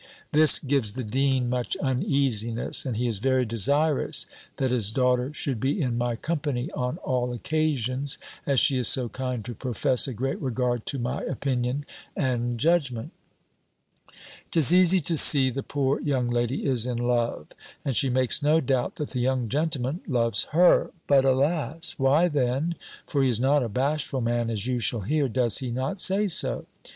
This gives the dean much uneasiness; and he is very desirous that his daughter should be in my company on all occasions, as she is so kind to profess a great regard to my opinion and judgment. 'Tis easy to see the poor young lady is in love; and she makes no doubt that the young gentleman loves her; but, alas! why then (for he is not a bashful man, as you shall hear) does he not say so?